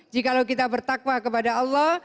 jikalau kita bertakwa kepada allah